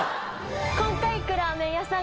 今回行くラーメン屋さん